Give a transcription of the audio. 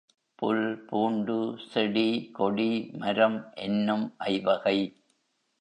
புல் பூண்டு செடி கொடி மரம் என்னும் ஐவகை